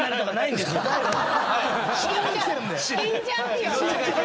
死んじゃう！